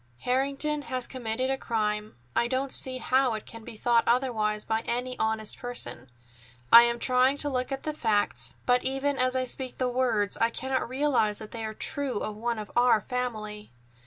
Harrington has committed a crime. I don't see how it can be thought otherwise by any honest person. I am trying to look at the facts, but even as I speak the words I cannot realize that they are true of one of our family."